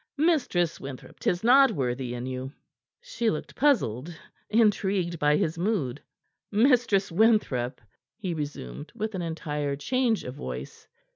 Mistress Winthrop, 'tis not worthy in you." She looked puzzled, intrigued by his mood. "Mistress Winthrop," he resumed, with an entire change of voice.